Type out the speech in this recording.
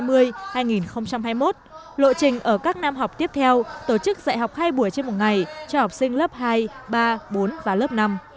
lộ trình ở các năm học tiếp theo tổ chức dạy học hai buổi trên một ngày cho học sinh lớp hai ba bốn và lớp năm